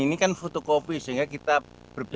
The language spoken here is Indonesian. ini kan fotokopi sehingga kita berbeda